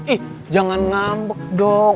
ih jangan ngambek dong